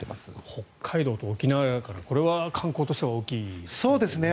北海道と沖縄だからこれは観光として大きいですね。